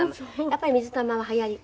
やっぱり水玉は流行り？